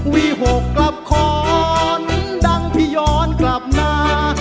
วี่หกกลับขอนดังพี่ย้อนกลับหน้า